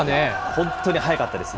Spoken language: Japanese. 本当に速かったです。